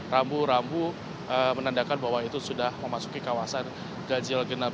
rambu rambu menandakan bahwa itu sudah memasuki kawasan ganjigenap